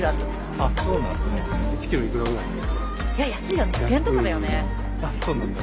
あっそうなんだ。